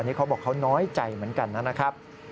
นี่เขาบอกเขาน้อยใจเหมือนกันนะครับ